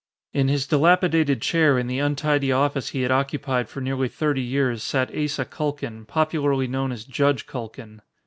In his dilapidated chair in the untidy office he had occupied for nearly thirty years, sat Asa Culkin, popularly known as "Judge" Culkin.